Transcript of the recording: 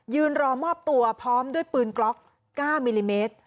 รอมอบตัวพร้อมด้วยปืนกล็อก๙มิลลิเมตร